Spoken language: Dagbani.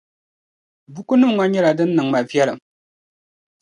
Bukunim ŋɔ nyɛla din niŋ ma viɛllim